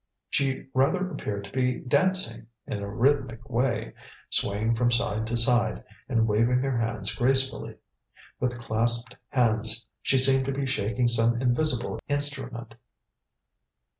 She rather appeared to be dancing in a rhythmic way, swaying from side to side, and waving her arms gracefully. With clasped hands she seemed to be shaking some invisible instrument.